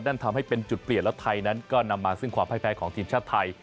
นั่นทำให้เป็นจุดเปลี่ยนแล้วไทยนั้นก็นำมาซึ่งความพ่ายแพ้ของทีมชาติไทย